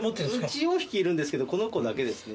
うち４匹いるんですけどこの子だけですね。